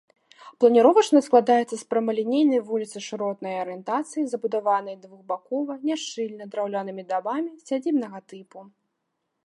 Планіровачна складаецца з прамалінейнай вуліцы шыротнай арыентацыі, забудаванай двухбакова, няшчыльна, драўлянымі дамамі сядзібнага тыпу.